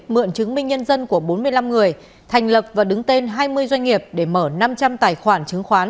mượn chứng minh nhân dân của bốn mươi năm người thành lập và đứng tên hai mươi doanh nghiệp để mở năm trăm linh tài khoản chứng khoán